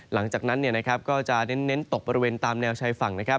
หลังจากนั้นก็จะเน้นตกบริเวณตามแนวชายฝั่งนะครับ